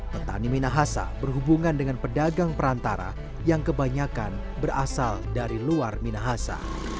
petani minahasa berhubungan dengan pedagang perantara yang kebanyakan berasal dari luar minahasa